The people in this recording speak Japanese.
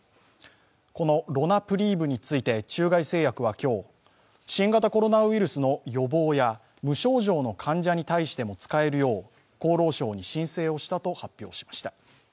このロナプリーブについて中外製薬は今日新型コロナウイルスの予防や無症状の患者に対しても使えるよう厚労省に申請をしたと発表しました。